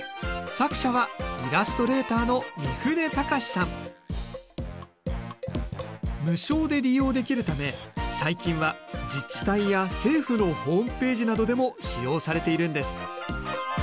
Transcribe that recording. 作者は無償で利用できるため最近は自治体や政府のホームページなどでも使用されているんです。